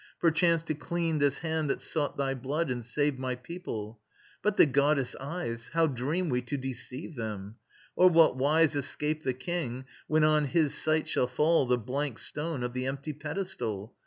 Perchance to clean this hand that sought thy blood, And save my people... But the goddess' eyes, How dream we to deceive them? Or what wise Escape the King, when on his sight shall fall The blank stone of the empty pedestal?